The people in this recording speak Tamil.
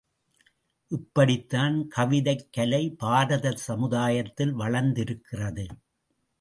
இப்படித்தான் கவிதைக் கலை பாரத சமுதாயத்தில் வளர்ந்திருக்கிறது.